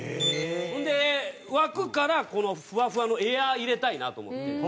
ほんで枠からこのふわふわのエア入れたいなと思って。